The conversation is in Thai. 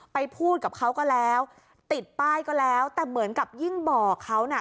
ไปพูดกับเขาก็แล้วติดป้ายก็แล้วแต่เหมือนกับยิ่งบอกเขาน่ะ